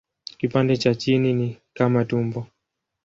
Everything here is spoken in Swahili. Kipande cha chini ni kama tumbo.